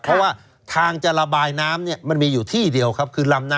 เพราะว่าทางจะระบายน้ำเนี่ยมันมีอยู่ที่เดียวครับ